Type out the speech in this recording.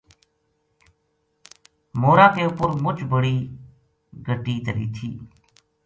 مورا کے اُپر مچ بڑی گٹی دھری تھی